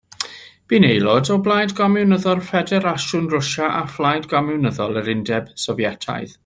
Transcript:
Bu'n aelod o Blaid Gomiwnyddol Ffederasiwn Rwsia a Phlaid Gomiwnyddol yr Undeb Sofietaidd.